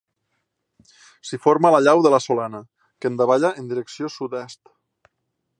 S'hi forma la llau de la Solana, que en davalla en direcció sud-est.